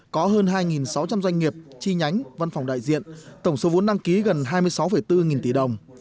có hơn hai sáu trăm linh doanh nghiệp chi nhánh văn phòng đại diện tổng số vốn đăng ký gần hai mươi sáu bốn nghìn tỷ đồng